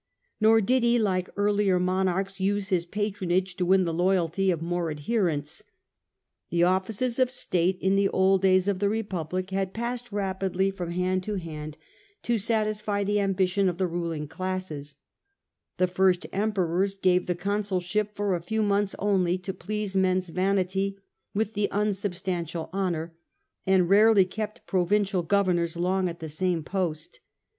Nor did he, like earlier monarchs, use his pa yet free from tronage to win the loyalty of more adherents, weakness. The offices of state in the old days of the republic had passed rapidly from hand to hand, to satisfy the ambition of the ruling classes ; the first Emperors gave the consul ship for a few months only, to please men^s vanity with the unsubstantial honour, and rarely kept provincial governors long at the same post.